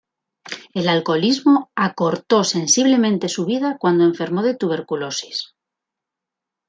El alcoholismo acortó sensiblemente su vida cuando enfermó de tuberculosis.